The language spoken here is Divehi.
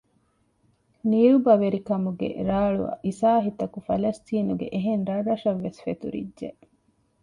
ނިރުބަވެރިކަމުގެ ރާޅު އިސާހިތަކު ފަލަސްޠީނުގެ އެހެން ރަށްރަށަށް ވެސް ފެތުރިއްޖެ